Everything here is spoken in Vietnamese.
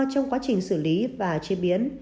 trong quá trình xử lý và chế biến